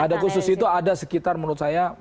ada khusus itu ada sekitar menurut saya